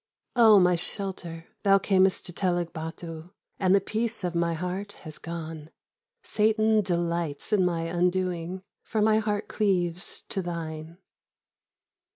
Oh, my shelter! thou camest to Teluk Bâtu, And the peace of my heart has gone. Satan delights in my undoing, For my heart cleaves to thine.